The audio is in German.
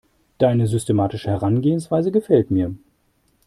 Deine systematische Herangehensweise gefällt mir.